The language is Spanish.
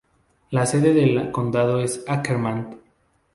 La sede del condado es Ackerman.